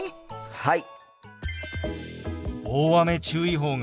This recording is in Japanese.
はい！